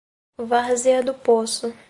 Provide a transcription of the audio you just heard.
Várzea do Poço